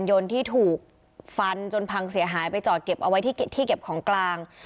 ยนต์ที่ถูกฟันจนพังเสียหายไปจอดเก็บเอาไว้ที่เก็บของกลาง